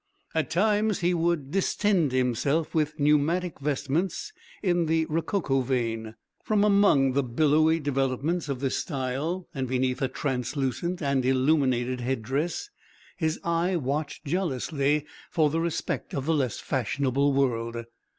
At times he would distend himself with pneumatic vestments in the rococo vein. From among the billowy developments of this style, and beneath a translucent and illuminated headdress, his eye watched jealously for the respect of the less fashionable world.